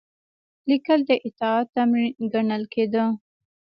لیکل د اطاعت تمرین ګڼل کېده.